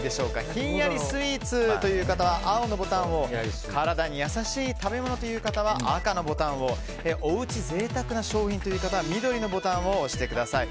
ひんやりスイーツという方は青のボタンを体に優しい食べ物という方は赤のボタンをおうち贅沢な商品という方は緑のボタンを押してください。